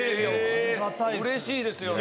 うれしいですよね。